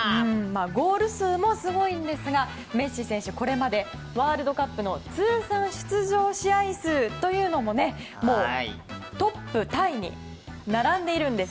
ゴール数もすごいんですがメッシ選手、これまでワールドカップの通算出場試合数ももうトップタイに並んでいるんです。